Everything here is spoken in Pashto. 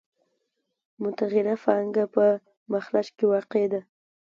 متغیره پانګه په مخرج کې واقع ده